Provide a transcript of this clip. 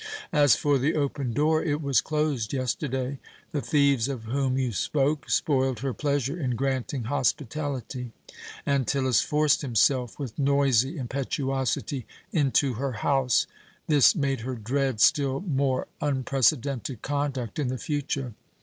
As for the open door, it was closed yesterday. The thieves of whom you spoke spoiled her pleasure in granting hospitality. Antyllus forced himself with noisy impetuosity into her house. This made her dread still more unprecedented conduct in the future.